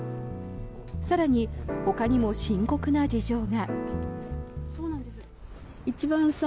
更に、ほかにも深刻な事情が。